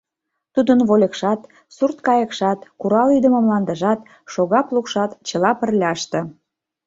Тудын вольыкшат, сурт-кайыкшат, курал-ӱдымӧ мландыжат, шога-плугшат чыла пырляште.